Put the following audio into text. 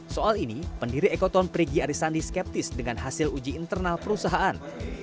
soal ini pendiri ekoton prigi arisandi skeptis dengan hasil uji internal perusahaan